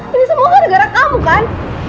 ini semua gara gara kamu kan